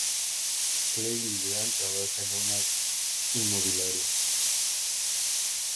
Claire Legrand trabaja en una inmobiliaria.